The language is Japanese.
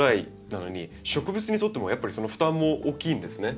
なのに植物にとってもやっぱり負担も大きいんですね。